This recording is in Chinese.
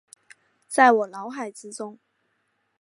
在我脑海之中